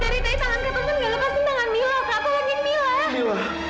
dari tadi tangan kak taufan google pasting tangannya mila hutang unit mila